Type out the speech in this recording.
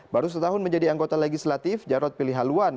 baru setahun menjadi anggota legislatif jarod pilih haluan